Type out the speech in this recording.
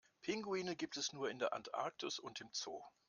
Pinguine gibt es nur in der Antarktis und im Zoo.